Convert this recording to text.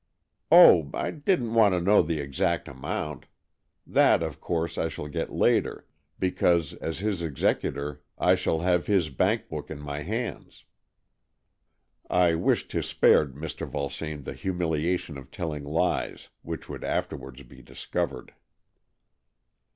"Oh, I didn't want to know the exact amount. That, of course, I shall get later, because, as his executor, I shall have his 106 AN EXCHANGE OF SOULS bankbook in my hands." I wished to spare Mr. Vulsame the humiliation of telling lies which would afterwards be discovered.